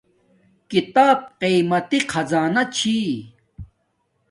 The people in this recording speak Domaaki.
کتاب قیمتی خزانہ چھی